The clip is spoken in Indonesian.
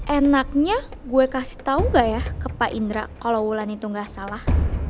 enaknya gue kasih tau gak ya ke pak indra kalau wulan itu nggak salah